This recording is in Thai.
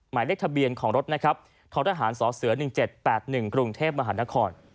หมายเลขทะเบียนของรถนะครับท้อทหารสเส๑๗๘๑กรุงเทพมหานคร